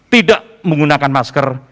tidak menggunakan masker